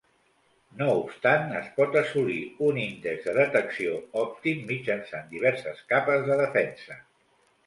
No obstant, es pot assolir un índex de detecció òptim mitjançant diverses capes de defensa.